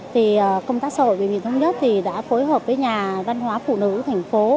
thì công tác xã hội bệnh viện thống nhất đã phối hợp với nhà văn hóa phụ nữ thành phố